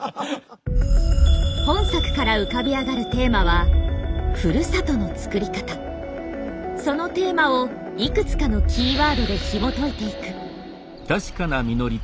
本作から浮かび上がるテーマはそのテーマをいくつかのキーワードでひもといていく。